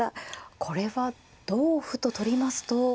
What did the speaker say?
これは同歩と取りますと。